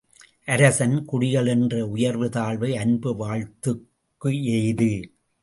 அரசன், குடிகள் என்ற உயர்வு தாழ்வு அன்பு வாழ்த்துக்கு ஏது?